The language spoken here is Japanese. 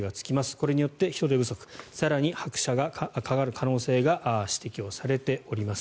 これによって人手不足更に拍車がかかる可能性が指摘されています。